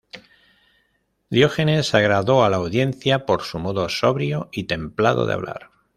Diógenes agradó a la audiencia por su modo sobrio y templado de hablar.